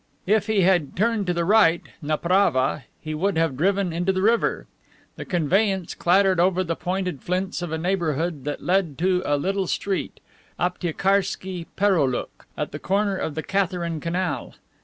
If he had turned to the right (naprava) he would have driven into the river. The conveyance clattered over the pointed flints of a neighborhood that led to a little street, Aptiekarski Pereoulok, at the corner of the Katharine canal.